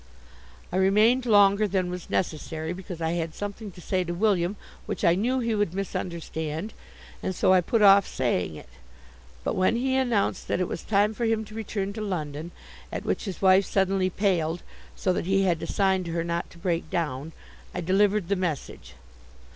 I remained longer than was necessary, because I had something to say to William which I knew he would misunderstand, and so I put off saying it. But when he announced that it was time for him to return to London, at which his wife suddenly paled, so that he had to sign to her not to break down, I delivered the message.